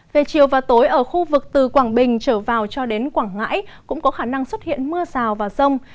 về chiều và tối ở khu vực từ quảng bình trở vào cho đến quảng ngãi cũng có khả năng xuất hiện mưa rào và rông